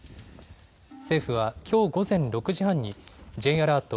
政府はきょう午前６時半にＪアラート